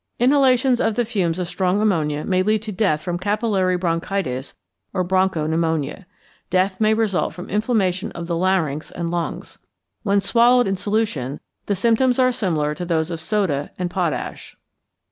Inhalation of the fumes of strong ammonia may lead to death from capillary bronchitis or broncho pneumonia. Death may result from inflammation of the larynx and lungs. When swallowed in solution, the symptoms are similar to those of soda and potash.